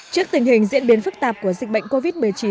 trước tình hình diễn biến phức tạp của dịch bệnh covid một mươi chín